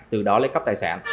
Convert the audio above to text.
từ đó lấy cấp tài sản